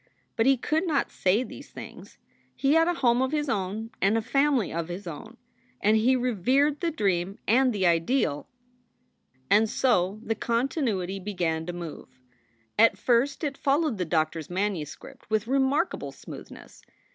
But he could not say these things. He had a home of his own and a family of his own, and he revered the dream and the ideal. SOULS FOR SALE 35 And so the continuity began to move. At first it followed the doctor s manuscript with remarkable smoothness.